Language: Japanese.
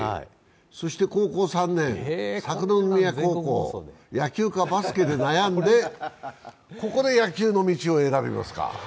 高校３年、桜宮高校、野球かバスケで悩んでここで野球の道を選びますか。